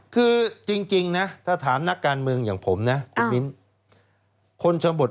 คือจริงนะถ้าถามนักการเมืองอย่างผมนะคุณมิ้นท